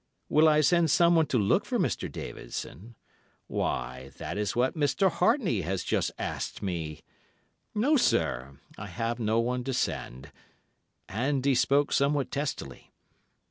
Will I send someone to look for Mr. Davidson? Why, that is what Mr. Hartney has just asked me! No, sir, I have no one to send,' and he spoke somewhat testily.